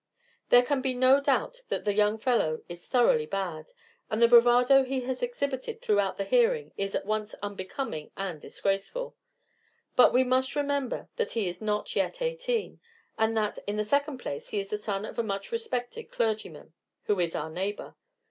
There can be no doubt that the young fellow is thoroughly bad, and the bravado he has exhibited throughout the hearing is at once unbecoming and disgraceful; but we must remember that he is not yet eighteen, and that, in the second place, he is the son of a much respected clergyman, who is our neighbor.